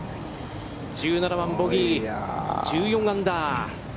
１７番、ボギー、１４アンダー。